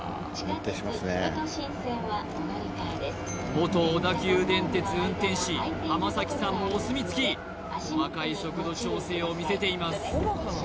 元小田急電鉄運転士濱崎さんもお墨付き細かい速度調整を見せています